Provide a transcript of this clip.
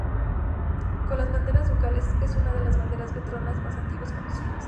Con las banderas ducales es una de las banderas bretonas más antiguas conocidas.